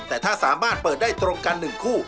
แต่ถ้าสามารถเปิดได้ตรงกัน๑คู่